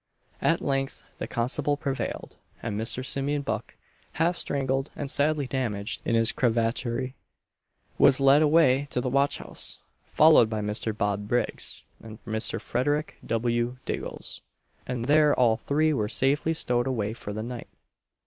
At length the constable prevailed, and Mr. Simeon Buck, half strangled, and sadly damaged in his cravattery, was led away to the watch house, followed by Mr. Bob Briggs, and Mr. Frederic W. Diggles; and there all three were safely stowed away for the night.